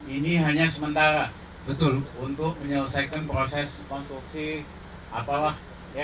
ini hanya sementara betul untuk menyelesaikan proses konstruksi apalah